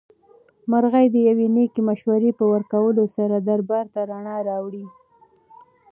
مرغۍ د یوې نېکې مشورې په ورکولو سره دربار ته رڼا راوړه.